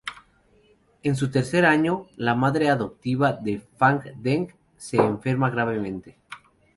En su tercer año, la madre adoptiva de Fang Deng se enferma gravemente.